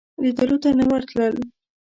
لیدلو ته نه ورتلل.